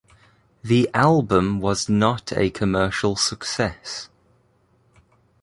The album was not a commercial success.